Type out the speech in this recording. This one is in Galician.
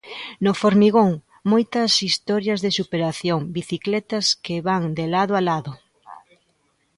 No formigón, moitas historias de superación, bicicletas que van de lado a lado.